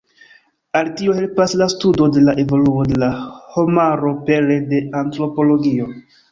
Al tio helpas la studo de la evoluo de la homaro pere de antropologio.